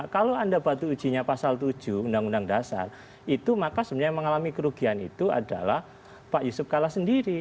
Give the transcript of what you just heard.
kalau anda batu ujinya pasal tujuh undang undang dasar itu maka sebenarnya yang mengalami kerugian itu adalah pak yusuf kala sendiri